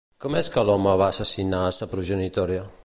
Com és que l'home va assassinar sa progenitora?